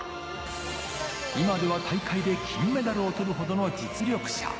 今では大会で金メダルを取るほどの実力者。